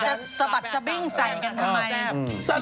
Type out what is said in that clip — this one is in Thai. เธอจะสะบัดสบิงใส่กันทำไม